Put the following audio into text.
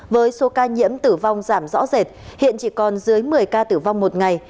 với số ca nhiễm tử vong giảm rõ rệt hiện chỉ còn dưới một mươi ca tử vong một ngày